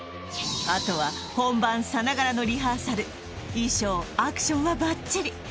あとは本番さながらのリハーサル衣装アクションはばっちり！